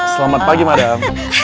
selamat pagi madam